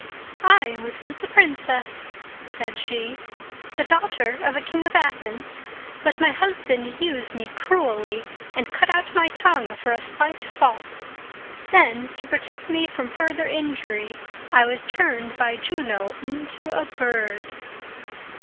"I was once a princess," said she, "the daughter of a King of Athens, but my husband used me cruelly, and cut out my tongue for a slight fault. Then, to protect me from further injury, I was turned by Juno into a bird."